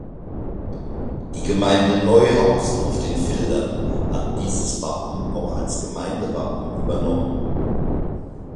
Die Gemeinde Neuhausen auf den Fildern hat dieses Wappen auch als Gemeindewappen übernommen.